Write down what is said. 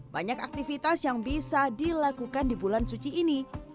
banyak aktivitas yang bisa dilakukan di bulan suci ini